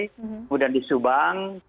kemudian di subang